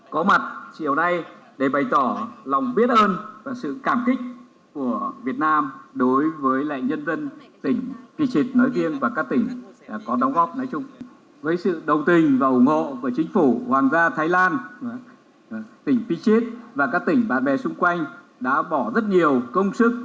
với sự đồng tình và ủng hộ của chính phủ hoàng gia thái lan tỉnh phi chít và các tỉnh bạn bè xung quanh đã bỏ rất nhiều công sức